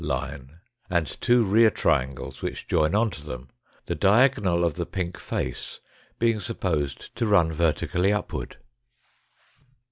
line, and two rear triangles which join on to them, the diagonal of the pink face being supposed to run vertically upward.